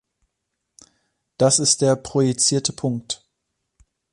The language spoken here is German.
Das ist der projizierte Punkt.